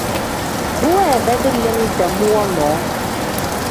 Bu weebedi lim dam wonoo.